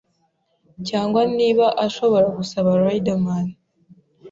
cyangwa niba ashobora gusaba Riderman